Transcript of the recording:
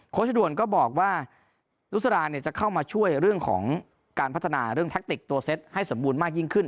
ชด่วนก็บอกว่านุษราจะเข้ามาช่วยเรื่องของการพัฒนาเรื่องแท็กติกตัวเซ็ตให้สมบูรณ์มากยิ่งขึ้น